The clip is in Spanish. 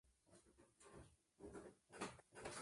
Debido a la enfermedad.